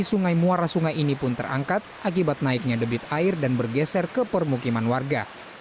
sungai muara sungai ini pun terangkat akibat naiknya debit air dan bergeser ke permukiman warga